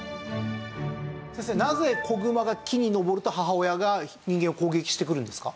先生なぜ子グマが木に登ると母親が人間を攻撃してくるんですか？